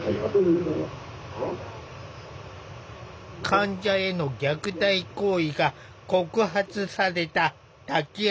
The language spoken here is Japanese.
患者への虐待行為が告発された滝山病院。